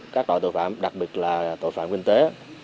các loại tội phạm đặc biệt là tội phạm kinh tế